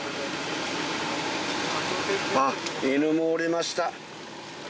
あっ犬もおりました